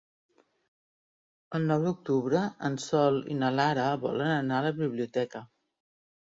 El nou d'octubre en Sol i na Lara volen anar a la biblioteca.